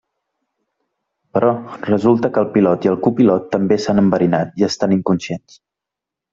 Però, resulta que el pilot i el copilot també s'han enverinat i estan inconscients.